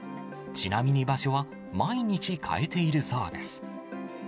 ちなみに場所は毎日変えているそうです。